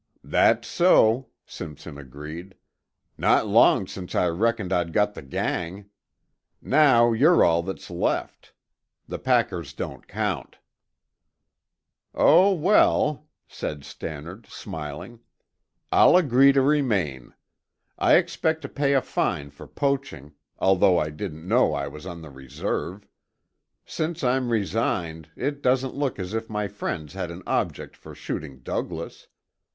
"That's so," Simpson agreed. "Not long since I reckoned I'd got the gang. Now you're all that's left. The packers don't count." "Oh, well," said Stannard, smiling. "I'll agree to remain. I expect to pay a fine for poaching, although I didn't know I was on the reserve. Since I'm resigned, it doesn't look as if my friends had an object for shooting Douglas.